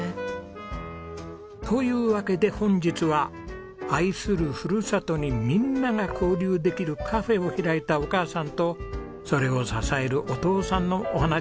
というわけで本日は愛するふるさとにみんなが交流できるカフェを開いたお母さんとそれを支えるお父さんのお話です。